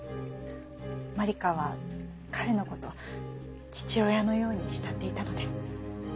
万理華は彼の事父親のように慕っていたので。